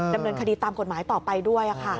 ดำเนินคดีตามกฎหมายต่อไปด้วย